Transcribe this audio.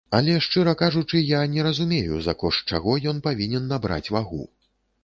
Але шчыра кажучы, я не разумею, за кошт чаго ён павінен набраць вагу.